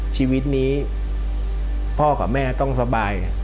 ชีวิตนี้พ่อกับแม่ต้องสบาย